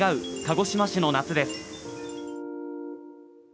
鹿児島市の夏です。